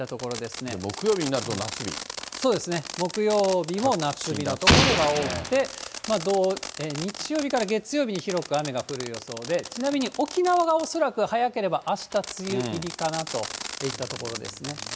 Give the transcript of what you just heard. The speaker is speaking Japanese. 木曜日も夏日の所が多くて、土、日曜日から月曜日に広く雨が降る予想で、ちなみに沖縄が恐らく、早ければあした梅雨入りかなといったところですね。